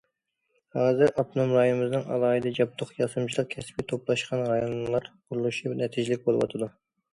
ھازىر ئاپتونوم رايونىمىزنىڭ ئالاھىدە جابدۇق ياسىمىچىلىق كەسپى توپلاشقان رايونلار قۇرۇلۇشى نەتىجىلىك بولۇۋاتىدۇ.